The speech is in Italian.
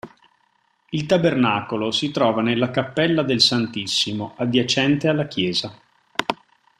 Il tabernacolo si trova nella cappella del Santissimo, adiacente alla chiesa.